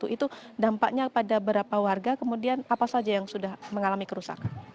itu dampaknya pada berapa warga kemudian apa saja yang sudah mengalami kerusakan